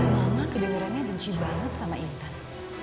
mama kedengarannya benci banget sama intan